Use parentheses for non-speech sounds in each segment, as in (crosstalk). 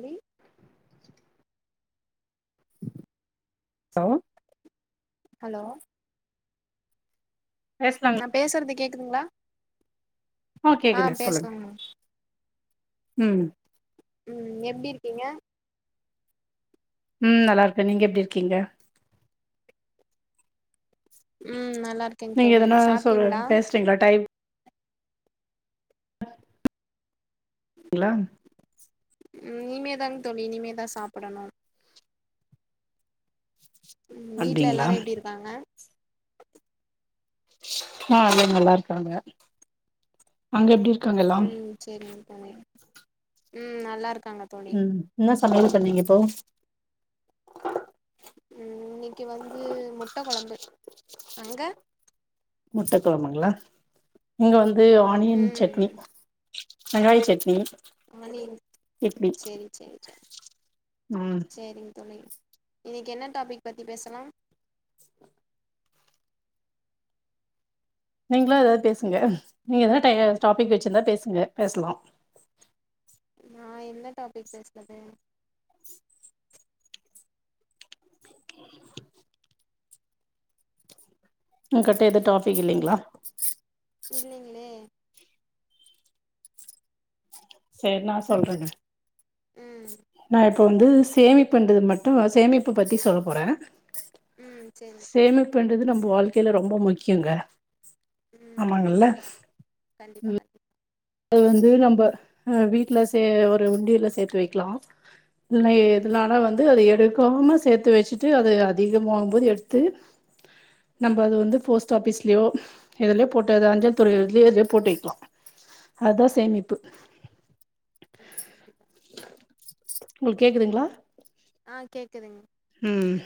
தோழி (unintelligible) allow hello பேசலாங்க நா பேசுறது கேக்குதுங்களா ஆ கேக்குது சொல்லுங்க ம் ம் எப்டி இருக்கீங்க ம் நல்லா இருக்க நீங்க எப்டி இருக்கீங்க ம் நல்லா இருக்கேங்க நீங்க தோழி எதனா சொல் சாப்ட்டீங்களா பேசுறீங்களா டைப் இலாம் ம் இனிமேதாங் தோழி இனிமேதா சாப்புடணு ம் வீட்டல அப்டிங்களா எல்லாரு எப்டி இருக்காங்க ஆ அதெல்லா நல்லா இருக்காங்க அங்க எப்டி இருக் ம் சேரிங்க தோழி ம் நல்லா இருக் ம் என்னஸ் சமையல் பண்ணீங்கப்போ ம் இன்னிக்கு வந்து மு முட்ட கொழம்பு அங்க முட்ட கொழம்புங்களா இங்க வந் து ஆனியன் சட்னி ம் வெங்காய சட்னி ஆனின் இட்லி சேரி சேரி சேரி ம் சேரிங்க தோழி இன்னிக்கு என்ன டாபிக் பத்தி பேசலாம் நீங்களு எதாவது பேசுங்க நீங்க எதாவது டாபிக் வெச்சுருந்தா பேசுங்க பேசலா ஆ என்ன டாபிக் பேசுறது உங்க கிட்ட எது டாபிக் இல்லைங்களா இல்லைங்களே சேரி நா சொல்றங்க ம் ந இப்ப வந்து சேமிப்புன்றது மட்டு நா சேமிப்பு பத்தி சொல்ல போறே உம் சேரி சேமிப்புன்றது நம்ம வாழ்க்கையில ரொம்ப முக்கியங்க ம் ஆமாங்கல்ல கண்டிப்பா கண்டிப்பா உம் கண்டிப்பா அது வந்து நம்ம ஹ வீட்ல சே ஒரு உண்டியல சேர்த்து வெக்கலா இல்ல ம் இதுலானா வந்து அது எடு கமாக சேத்து வெச்சுட்டு அது அதிகமாகுங்கும்போது எடுத்து நம்ம அது வந்து போஸ்ட் ஆஃபீஸ்லயோ எதுலையோ போட்டு அது அஞ்சல் துறயுலோ இதுலே போட்டு வெக்லா அதா சேமிப்பு உம் கண்டிப்பா ஒங்களுக்கு கேக்குதுங்ளா ஆ கேக்குதுங்க உம்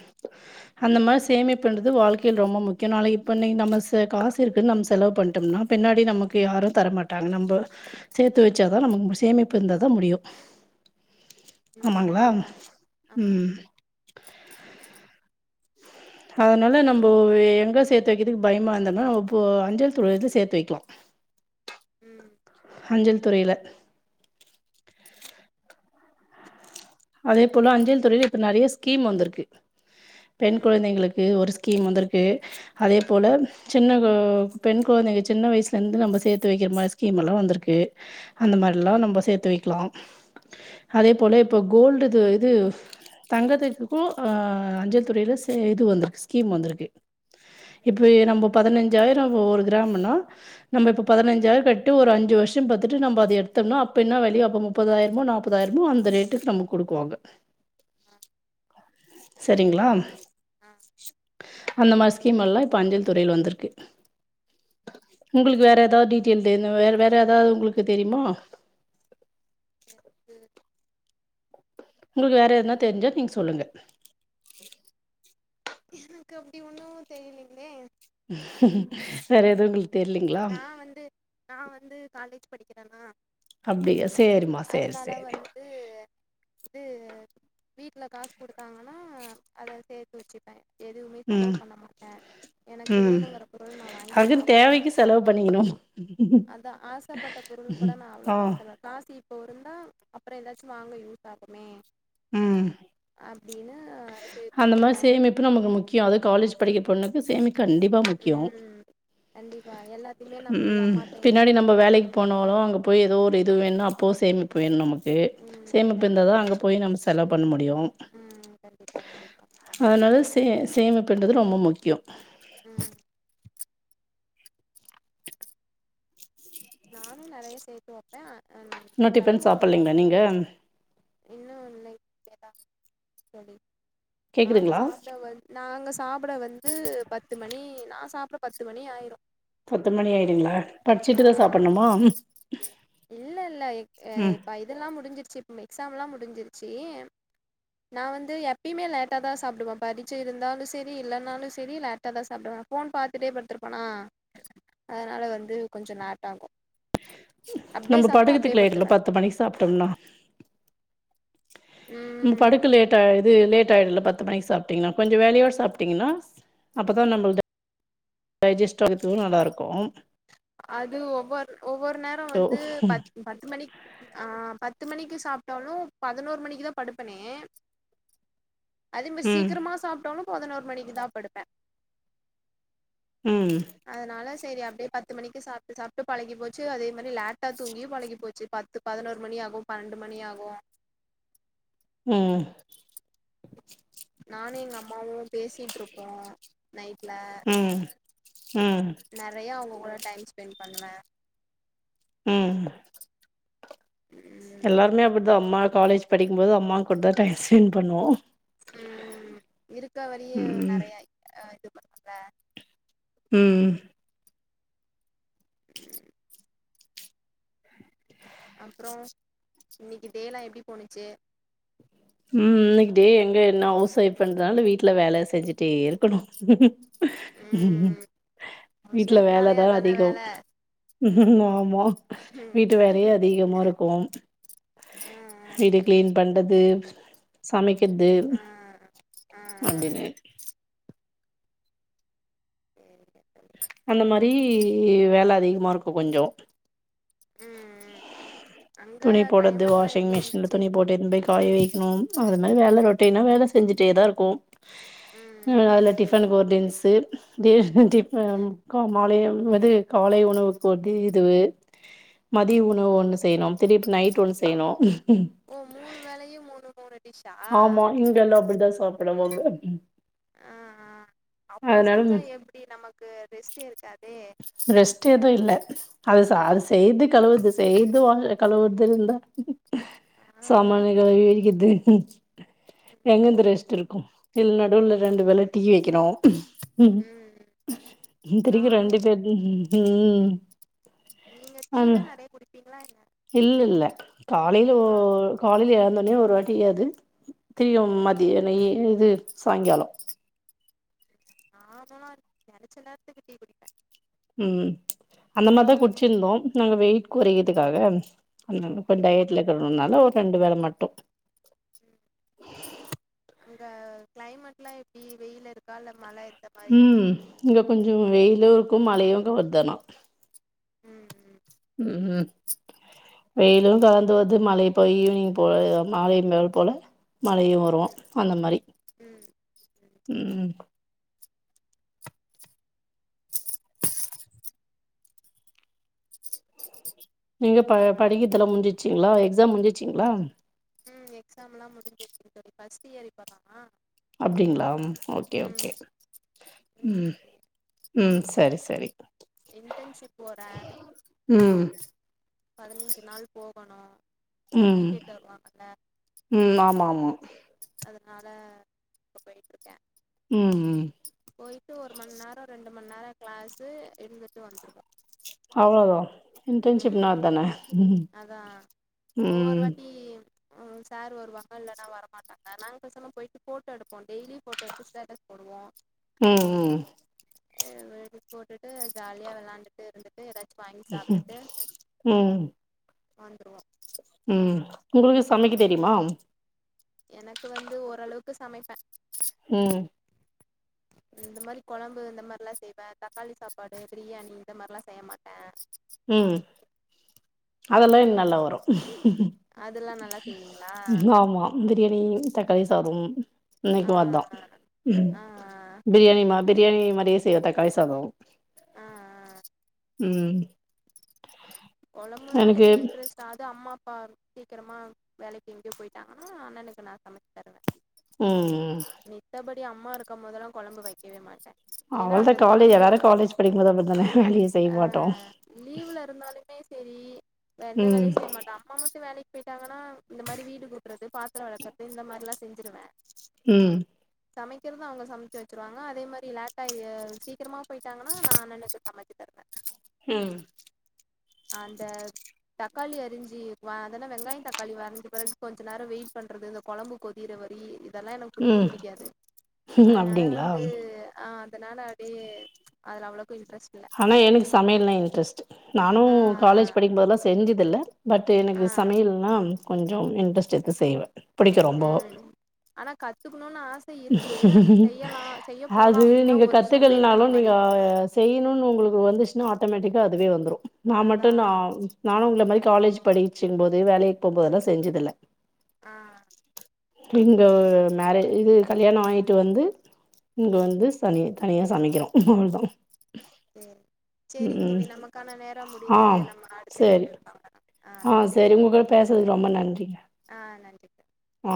அந்த மாரி சேமிப்புன்றது வாழ்க்கையில் ரொம்ப முக்கியோ நாளைக்கு இப்ப இன்னி நம்ம காசு இருக்குன்னு நம்ம செலவு பண்ணிட்டோம்னா பின்னாடி நமக்கு யாரு தரமாட்டாங்க நம்ப சேர்த்து வச்சாதா நம்ப சேமிப்பு இருந்தாதா முடியு ம் ஆமாங்களா கண்டிப்பா ஆமா உம் அதனால நம்ப எங்க சேத்து வெக்குறதுக்கு பயமா இருந்தோம்னா அஞ்சல் துறைல சேத்து வெக்கலா உம் அஞ்சல் துறையில அதே போல அஞ்சல் துறையில இப்ப நெறய ஸ்கீம் வந்துருக்கு பெண் குழந்தைங்களுக்கு ஒரு ஸ்கீம் வந்துருக்கு அதே போல சின்ன ப்போ பெண் கொழந்தைங்க சின்ன வயசுலுருந்து நம்ம சேத்து வெக்ற மாரி ஸ்கீம்ல்லா வந்துருக்கு அந்த மாரிலா நம்ப சேத்து வெக்லா அதே போல இப்போ கோல்டு இது இது தங்கதுக்கு ஆ அஞ்சல் துறைல இது வந்துருக்கு ஸ்கீம் வந்துருக்கு இப்ப நம்ம பதினஞ்சாயிர ஒரு கிரம்னா நம்ம இப்போ பதினஞ்சாயிரம் கட்டி ஒரு அஞ்சு வருஷம் பாத்துட்டு நம்ம அத எடுத்தோம்னா அப்போ என்ன வேல்யு அப்போ முப்பதாயிரமோ நாப்பதுயிரமோ அந்த ரேட் க் நமக்கு குடுக்குவாங்க செரிங்ளா ம் அந்த மாரி ஸ்கீம் எல்லா இப்ப அஞ்சல் துறையில வந்துருக்கு உங்களுக்கு வேற ஏதாவது டீடெயல் வே வேற ஏதாவது உங்களுக்கு தெரியுமா உங்களுக்கு வேற எதனா தெரிஞ்ச நீங்க சொல்லுங்க (inaudible) எனக்கு அப்டி ஒன்னு தெரியலங்களே ம் வேற எதுவு இ நா வந்து நா வந்து காலேஜ் படிகிறேனா அப்டியா சேரிம்மா சேரி அதனால சேரி வந்து ந்து வீட்ல காசு குடுத் டங்கனா அத சேத்து வச்சிபே எதுவுமே செலவு ம் பண்ண மாட்டே எனக்கு ம் வேணுகிற பொருள நா வாங்கி அதுக்குன்னு சாப்டவு தேவைக்கு மாட்டே செலவு பண்ணிக்கணும் அதா ஆசப்பட்ட ஆ ப்போ யிருந்தா அப்புற எதாச்சி வாங்க யூஸ் ஆகுமே ம் அப்டின்னு சேத்து அந்த மாரி வச்சிருப்பே சேமிப்பு நமக்கு முக்கியும் அதும் காலேஜ் படிக்கிற பொண்ணு க்கு சேமி கண்டிப்பா முக்கியும் ம் கண்டிப்பா எல்லாத்தையுமே நான் போய் ம் அம்மாட்ட பின்னாடி எடுத்து நம்ப கேட்க வேலைக்கு முடியாதுல்ல போனாலு அங்க போயி எதோ ஒரு இது வேன்னா அப்பவு சேமி போயின் நமக் கே ம் சேமிப்பு இருந்தாதா கண்டிப்பா அங்க இப்பியும் நம்ப செலவு பண்ண முடியும் ம் கண்டிப்பா கண்டிப்பா அதனால சே சேமிப்புன்றது ரொம்ப முக்கியம் ம் நானு நறயா சேத்து வைப்பே ம் இன்னு டிஃபன் செலவு சாப்பிட்லீங்களா நீங்க அவ்ளோக்கா இன்னும் இல்ல லேட்டா தோழி நாங்க கேக்குதுங்களா சாப்பட வ நாங்க சாப்பட வந்து பத்து மணி நா சாப்ட பத்து மணி ஆயிரும் பத்து மணி ஆயிடுங்ளா ஆ படிச்சிடுத்தா சாப் பன்னுமா ம் இல்ல இல்ல இப் இப்ப இதெல்லா முடிஞ்சிருச்சி மே எக்ஸாம்லா முடிஞ்சிருச்சி நா வந்து எப்பயுமே லேட்டா தா சாப்டுவே பரிச்ச இருந்தாலு சேரி இல்லனாலு சேரி லேட்டா தா சாப்டுவே ஃபோன் பாத்துட்டே படுத்துருப்பேனா அதனால வந்து கொஞ்ச லேட்டாகும் நம்ப படுக்கத்துக்கு லேட் இல்ல பத்து மணிக்கு சாப்டோம்னா நீங்க ம் படுக்க லேட்டாய்து இது லேட்டா ஆயிடு இல்ல பத்து மணிக்கு சாப்ட்டிங்கனா கொஞ்ச வேலயோ சாப்ட்டிங்கனா அப்போ தா நம்பள்து டைஜஸ்ட்டு ஆகறதுக்கும் நல்லா இருக்கும் அது ஒவ்வொரு ஒவ்வொரு நேர வந்து பத் பத்து மணிக் ஆ பத்து மணிக்கு ஸ் சாப்டாலு பதனோரு மணிக்கி தா படுப்பனே அதோ மேரி ம் சீக்கரமா சாப்டாலு பதினோரு மணிக்கி தா படுப்பே ம் அதனாலஸ் சேரி அப்டியே பத் பத்து மணிக்கு சாப்டு சாப்டு பழகி போச்சு அதே மாரி லேட்டா தூங்கியு பழகி போச்சு பத்து பதினோரு மணி ஆகு பன்னெண்டு மணி ஆகு ம் நானு எங்க அம்மாவு பேசிட்ருப்போ நைட் ம் ம் நெறையா அவுங்க கூட டைம் ஸ்பெண் பண்ணுவ ம் ம் எல்லாருமே அப்டி இதோ அம்மா காலேஜ் படிக்கும்போது அம்மா கூட டைம் ஸ்பெண்ட் பண்ணுவோ ம் இருக்க வரிய ம் நெறைய இது க்குமல்ல ம் (inaudible) அப்புறோ இன்னிக்கி டேலா எப்டி போணுச்சு ம் இன்னிக்கி டே எங்க என்ன ஹவுஸ் வொயிப் பண்றனால வீட்ல வேல செஞ்டே இருக்கணு ம் ஹவுஸ் வீட்ல ஒய்ஃப்னாலே வேலதா அதான அதிகோ வேல (unintelligible) ம்மா ம் வீட்டு வேலயே அதிகமா இருக்கும் ஆ இதுக்கே பண்டது சாமிக் எது ஆ அப்டினு சேரிக்கா அந்த மாரி வேல அதிகமா இருக்கு கொஞ்சோ ம் ம் அங்க துணி போடுறது கிளைமேட்லா வாஷிங் எப்டி மிஷின்ல இருந்துச்சு துணி போட்டு இருந்துக் காய வெக்கணும் அது மாரி ரொட்டீனா வேல செஞ்சுட்டேதா இருக்கோம் ம் ம் அதுல டிஃப்னுக்கு ஒரு டென்சு ஆம் கா மாலையம் வந்து காலை உணவு போட்டு இதுவு மதிய உணவு ஒன்னு செயினும் திரிப் நைட் ஒன்னு செயினு ஓ மூணு வேலையு மூணு மூணு டிஷ்ஷா ஆமா இங்கெல்லா அப்டிதா சாப்புடவாங்க ஆ ஆ அப்டி அதுனால செஞ்சா எப்டி நமக்கு ரெஸ்ட்டே இருக்காதே ரெஸ்ட் எது இல்ல அது சா செய்து கழுவற்து செய்து வாங்க கழுவற்துன் இந்தா சாமானு கழிவி வக்கிற்து ம் எங்கெந்து ரெஸ்ட் இரு க்கு இல் நடுவுல ரெண்டு வேல டீ வெக்கணு ம் இத்தினிக்கு நானு ரெண்டு அப்டி. பேரு ம் நீங்க அ டீனா நெறைய குடிப்பீங்களா என்ன இல்லெல்ல காலைல ஓ ஆ காலைல ஏந்தோ னயு ஒரு வாட்டி யாது திரியு ம் மதியான ஏந்து சாய்ங்காலொ நார்மலா நெனச்ச நேரத்துக்கு டீ குடிப்பே ம் அந்த மார்தா குட்ச்சிந்தோ நாங்க வெயிட் கொறைகிறதுக்காக அதுனால இப்ப ம் டயட்லக்குறனால ஒ ரெண்டு வேல மட்டு அங்க க்ளைமேட்லா எப்டி வெயில இருக்கா இல்ல மழ இரு ஹும் இங்க கொஞ்சொ வெயிலு க்கு மழையுக்கு வர்தனா ம் ம் ம்ஹும் வெயிலு சேரிங்க தோழி கலந்து வது மழை இப்ப ஈவ்னிங் போல மாலை மேல் போல மழையு வரு ம் அந்த மாரி ம் ம் (inaudible) நீங்க ப படிக்கதெல்லா முஞ்சிச்சிங்ளா எக்ஸாம் முஞ்சிச்சிங்ளா ம் எக்ஸாம்லா முடுஞ்சிருச்சு தோழி ஃபர்ஸ்ட் இயர் இப்பதா அப்டிங்ளா ஓகே ஓகே ம் முடிஞ்சிருச்சு ம் சரி சரி இன்டர்ன்ஷிப் போறே ம் பதினஞ்சு நாள் போகணு ம் சர்டிஃபிகேட் தருவாங்கல்ல ம்‌ ஆமாமா அதனால இப்போ போயிட்ருக்க ம் ம் போயிட்டு ஒரு மண்ணோரோ ரெண் ரெண்டு மண்ணேரோ கிளாஸு இருந்துட்டு வந்துருவோ அவ்ளோதா இன்டன்ஷிப்னா ம் அதான அதான் ம் ம் சார் வருவாங்க இல்லன்னா வரமாட்டாங்க நாங்க பேசாம போயிட்டு போட்டோ எடுப்போ டெய்லி போட்டோ எடுத்து ஸ்டேட்டஸ் போடுவோ ம் ம் (unintelligible) போட்டுட்டு ஜாலியா வெளாண்டுட்டு இருந்துட்டு எதாச் ஹும் ம் வந்துருவோ ம் உங்களுக்கு சமைக்க தெரியுமா எனக்கு வந்து ஓரளவுக்கு சமைப்ப ம் இந்த மாரி கொழம்பு இந்த மாரில்லா செய்வ தக்காளி சாப்பாடு பிரியாணி இந்த மாரில்லா செய்ய மாட்ட ம் அதெல்லா எனக்கு நல்லா வரு அதெல்லாம் நல்லா செய்வீங்களா ஆமா பிரி தக்காளி சாதோம் ஆ இன்னைக்கு அதா ஆ ஆ பிரியாணிமா பிரியாணி மாரியே செ ய்ய தக்காளி சாதோ ஆ ஆ ம் கொழம்புனா எனக்கு எதோ இன்ட்ரெஸ்ட் அது அம்மா பார் சீக்கிரமா வேலைக்கு எங்கயு போயிட்டாங்கன்னா அண்ணனுக்கு நா சமைச்சுருவ ம் டே அம்மா இருக்கும் போதெல்லா கொழம்பு வெக்கவே மாட் அவ்ளதா காலேஜ் எல்லாரு காலேஜ் படிக்கும் போது அப்டி தான வேலயே செய்ய மாட்டோ சேரி எந்த ம் வேலையு செய்ய மாட்ட அம்மா மட்டு வேலைக்கு போயிட்டாங்கனா இந்த மாரி வீடு கூட்றது பாத்துரோ வெளக்குறது இந்த மாரி எல்லா செஞ்சுருவ ம் சமைக்கிறது அவங்க சமச்சு வெச்சுருவாங்க அதே மாரி லேட்டா எ சீக்கரமா போயிட்டாங்கன்னா நா அண்ணனுக்கு சமச்சு தருவ ம் அந்த தக்காளி அருஞ்சு வா அதென்ன வெங்காயோ தக்காளி வதங்குன பெறகு கொஞ்ச நேரோ வெயிட் பண்றது இந்த கொழம்பு கொதிற வரி இருக் அதெல்லா எனக்கு புடிக்கவே ம் புடிக்காது ம் அதனால அப்டிங்களா வந்து அ தனால அப்டியே அதுல அவ்ளக்கா யு ஆனா எனக்கு சமயல்னா இன்ட்ரெஸ்ட்டு நானு காலேஜ் ம் படிக்கும்போதெலா செஞ்சதுல்ல பட் எனக்கு சமயல்னா கொஞ்சொ இன்ட்ரெஸ்ட் எடுத்து செய்வே புடிக்கு ரொம்போ ஆனா கத்துக்கணுன் ஆ அது போலாம் அப்படின்னா நீங்க ஒரு கத்துக்கல்னாலு சோம்பேறித்தனம் மாரி நீங்க செய்யனுன் ஒங்களுக்கு வந்துச்சுனா அ ட்டமேட்டிக்காக அதுவே வந்துரு நா அதான் மட்டுந்தா நானு உங்கள மாரி காலேஜ் படிச்சும்போது வேலைக் போம்போதல்லா செஞ்சதில்ல ஆ இங்க மேரே இது கல்யாண ஆயிட்டு வந்து இங்க வந்து சனி தனியா சமைக்கிறே அவள்தா பி சேரிங் தோழி நமக்கான நேரம் ஆ முடிந்தது நம்ம அடுத்த சேரி இணைப்பில் பாக்கலா ஆ சரி உங்ககூட பேசுனது ரொம்ப நன்றிங்க ஆ நன்றி தோழி ஆ